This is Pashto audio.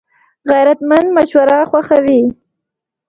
غیرتمند مشوره خوښوي